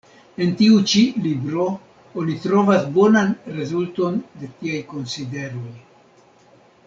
En tiu ĉi libro oni trovas bonan rezulton de tiaj konsideroj.